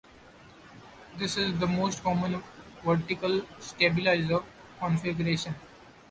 This is the most common vertical stabilizer configuration.